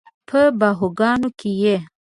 په باهوګانو کې یې